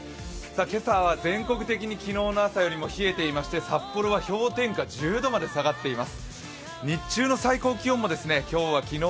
今朝は全国的に昨日の朝よりも冷えていまして、札幌は氷点下１０度まで下がっています。